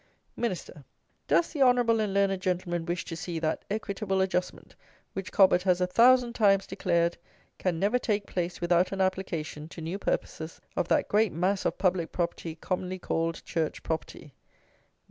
MIN. Does the honourable and learned Gentleman wish to see that "equitable adjustment," which Cobbett has a thousand times declared can never take place without an application, to new purposes, of that great mass of public property, commonly called Church property?